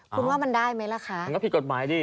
คุณว่ามันได้ไหมล่ะคะมันก็ผิดกฎหมายดิ